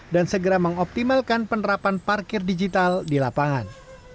dan segera mengoptimalkan penerapan parkir digital di lapangan